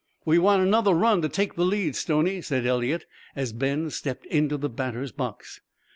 "We want another run to take the lead, Stoney," said Eliot as Ben stepped into the batter's box.